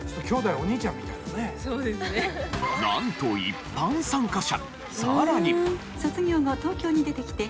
なんと一般参加者。